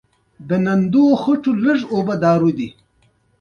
د کرنې په برخه کې د اقلیم بدلونونو سره تطابق اړین دی.